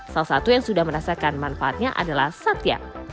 salah satu yang sudah merasakan manfaatnya adalah satya